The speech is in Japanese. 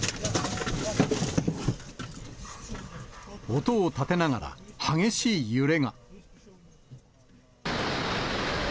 音を立てながら、激しい揺れが。